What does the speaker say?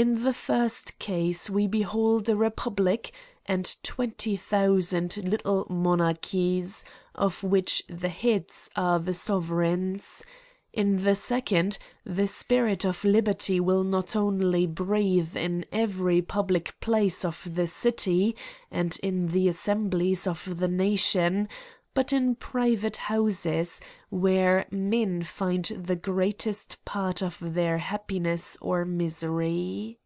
In the first case we behold a republic, and twenty thousand little mo narchies, of which the heads are the sovereigns : in the second the spirit of liberty will not only breath in every public place of the city, and in the assemblies of the nation, but in private houses, where men find the greatest part of their happi ness or misery.